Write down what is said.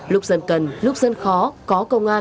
lúc dân cần lúc dân khó có công an